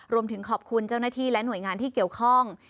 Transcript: รวมถึงขอบคุณเจ้าหน้าที่และหน่วยงานที่เกี่ยวข้อง